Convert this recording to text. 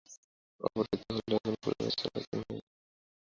অপহৃত হলো আর এখন পরিবার ছাড়া এতিম হয়ে গেল?